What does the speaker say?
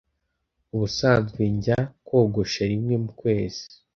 Ubusanzwe njya kogosha rimwe mu kwezi.